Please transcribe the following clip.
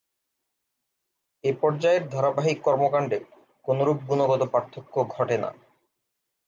এ পর্যায়ের ধারাবাহিক কর্মকান্ডে কোনরূপ গুণগত পার্থক্য ঘটে না।